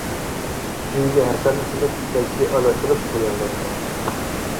سۈيىگە ھەسەلنى سېلىپ تەكشى ئارىلاشتۇرۇپ تەييارلىنىدۇ.